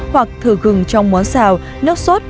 hoặc thử gừng trong món xào nước sốt